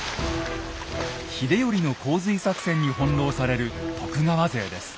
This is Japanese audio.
秀頼の洪水作戦に翻弄される徳川勢です。